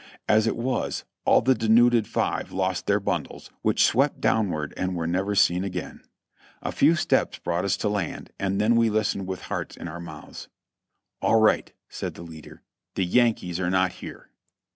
As it was, all the de nuded five lost their bundles, which swept downward and were never seen again. A few steps brought us to land, and then we listened with hearts in our mouths. "All right," said the leader, "the Yankees are not here."